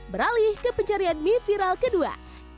beralih ke pencarian mie viral kedua